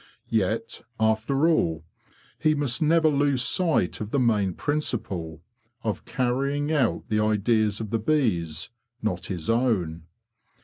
Yet, after all, he must never lose sight of the main principle, of carrying out the ideas of the bees, not his own.